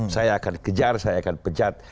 saya akan kejar saya akan pecat